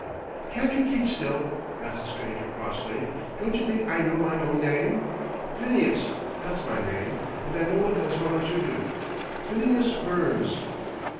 "Can't you keep still?" asked the stranger crossly. "Don't you think I know my own name? Phineas that's my name, and I know it as well as you do. Phineas Burns."